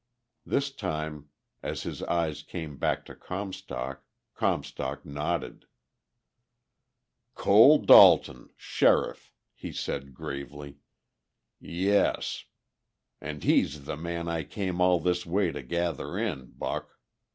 This time as his eyes came back to Comstock, Comstock nodded. "Cole Dalton, sheriff," he said gravely. "Yes. And he's the man I came all this way to gather in, Buck.